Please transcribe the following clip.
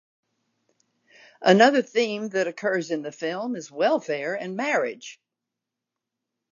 Another theme that occurs in the film is welfare and marriage.